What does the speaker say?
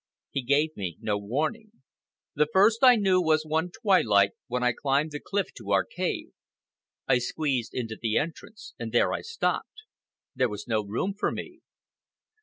He gave me no warning. The first I knew was one twilight when I climbed the cliff to our cave. I squeezed into the entrance and there I stopped. There was no room for me.